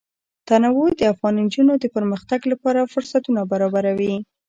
تنوع د افغان نجونو د پرمختګ لپاره فرصتونه برابروي.